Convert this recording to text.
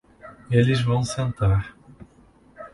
Eles vão sentar